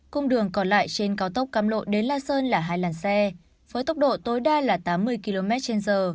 cung đường còn lại trên cao tốc cam lộ đến la sơn là hai làn xe với tốc độ tối đa là tám mươi km trên giờ